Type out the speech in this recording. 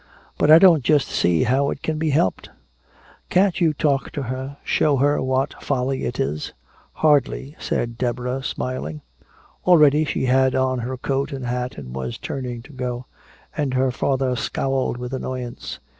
"But I don't just see how it can be helped." "Can't you talk to her, show her what folly it is?" "Hardly," said Deborah, smiling. Already she had on her coat and hat and was turning to go. And her father scowled with annoyance.